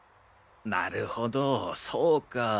なるほどそうか。